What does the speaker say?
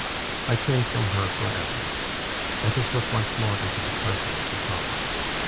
I turn from her for ever. Let us look once more into the Parsonage at Haworth.